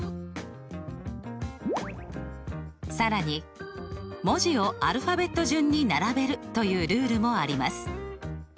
更に「文字をアルファベット順に並べる」というルールもあります。